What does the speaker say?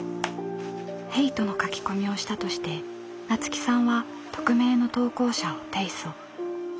ヘイトの書き込みをしたとして菜津紀さんは匿名の投稿者を提訴。